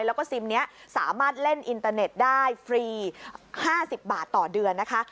แล้วก็ซิมนี้สามารถเล่นอินเตอร์เน็ตได้ฟรี๕๐บาทต่อเดือนนะคะ